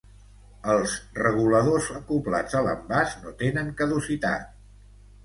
Els reguladors acoblats a l'envàs no tenen caducitat.